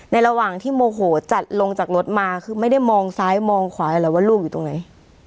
ระหว่างที่โมโหจัดลงจากรถมาคือไม่ได้มองซ้ายมองขวาแล้วว่าลูกอยู่ตรงไหน